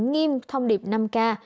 nghiêm thông điệp năm k